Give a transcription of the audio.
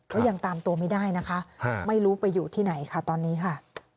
ก็ยังตามตัวไม่ได้นะคะไม่รู้ไปอยู่ที่ไหนค่ะตอนนี้ค่ะ